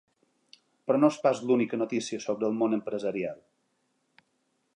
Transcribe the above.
Però no és pas l’única notícia sobre el món empresarial.